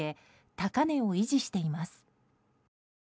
高値を維持しています。